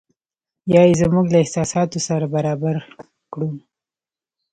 یا یې زموږ له احساساتو سره برابر کړو.